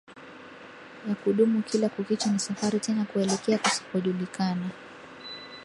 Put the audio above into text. ya kudumuKila kukicha ni safari tena kuelekea kusikojulikana